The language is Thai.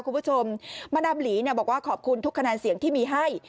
คุณผู้ชมมาดามหลีบอกว่าขอบคุณทุกคะแนนเสียงที่มีให้